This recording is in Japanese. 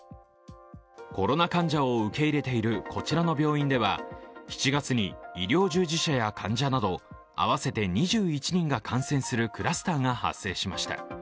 コロナ患者を受け入れているこちらの病院では７月に医療従事者や患者など合わせて２１人が感染するクラスターが発生しました。